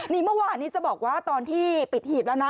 นี่เมื่อวานนี้จะบอกว่าตอนที่ปิดหีบแล้วนะ